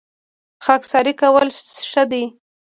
خاکساري کول ښه دي